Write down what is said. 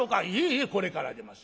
「ええこれから出ます